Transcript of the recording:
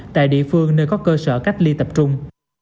tại địa phương nơi có cơ sở cách ly tập trung